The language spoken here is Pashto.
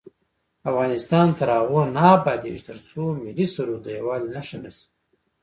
افغانستان تر هغو نه ابادیږي، ترڅو ملي سرود د یووالي نښه نشي.